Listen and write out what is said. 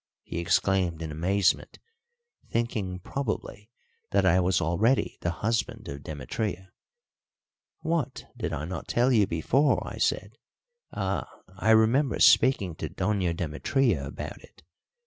he exclaimed in amazement, thinking probably that I was already the husband of Demetria. "What, did I not tell you before!" I said. "Ah, I remember speaking to Doña Demetria about it.